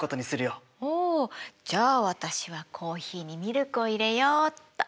おじゃあ私はコーヒーにミルクを入れようっと。